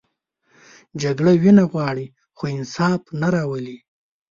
جګړه وینه غواړي، خو انصاف نه راولي